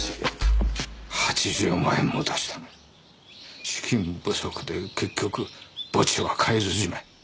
８０万円も出したのに資金不足で結局墓地は買えずじまい。